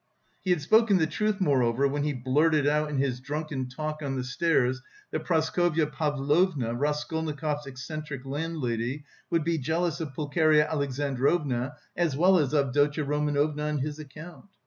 He had spoken the truth, moreover, when he blurted out in his drunken talk on the stairs that Praskovya Pavlovna, Raskolnikov's eccentric landlady, would be jealous of Pulcheria Alexandrovna as well as of Avdotya Romanovna on his account.